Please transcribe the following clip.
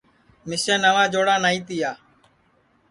مِسیں نواں جوڑا نائی تِیا